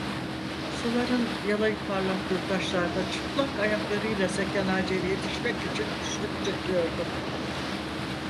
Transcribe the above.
Suların yalayıp parlattığı taşlarda çıplak ayaklarıyla seken Hacer'e yetişmek için güçlük çekiyordum.